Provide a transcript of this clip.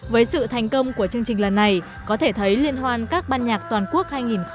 với sự thành công của chương trình lần này có thể thấy liên hoan các ban nhạc toàn quốc hai nghìn hai mươi bốn